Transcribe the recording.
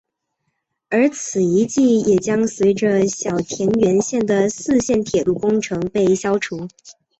而此遗迹也将随着小田原线的四线铁路工程被消除。